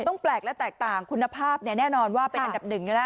ต้องแปลกและแตกต่างคุณภาพแน่นอนว่าเป็นอันดับหนึ่งอยู่แล้ว